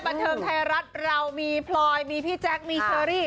บันเทิงไทยรัฐเรามีพลอยมีพี่แจ๊คมีเชอรี่